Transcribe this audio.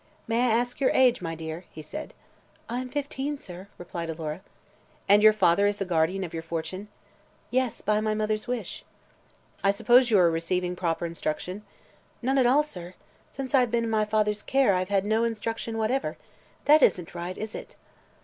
"May I ask your age, my dear?" he said. "I am fifteen, sir," replied Alora. "And your father is the guardian of your fortune?" "Yes; by my mother's wish." "I suppose you are receiving proper instruction?" "None at all, sir. Since I have been in my father's care I have had no instruction whatever. That isn't right, is it?"